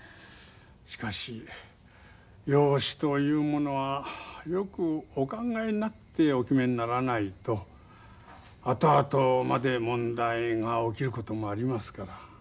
しかし養子というものはよくお考えになってお決めにならないとあとあとまで問題が起きることもありますから。